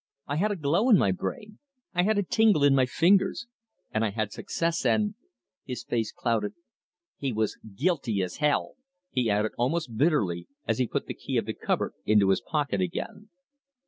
I had a glow in my brain, I had a tingle in my fingers; and I had success, and" his face clouded "He was as guilty as hell!" he added, almost bitterly, as he put the key of the cupboard into his pocket again.